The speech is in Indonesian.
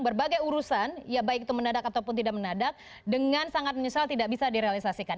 berbagai urusan ya baik itu mendadak ataupun tidak menadak dengan sangat menyesal tidak bisa direalisasikan